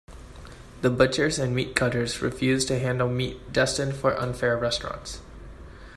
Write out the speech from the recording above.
The butchers and meat cutters refused to handle meat destined for unfair restaurants.